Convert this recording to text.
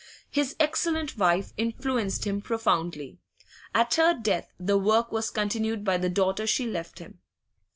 His excellent wife influenced him profoundly; at her death the work was continued by the daughter she left him.